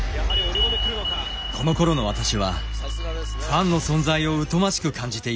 このころの私はファンの存在を疎ましく感じていました。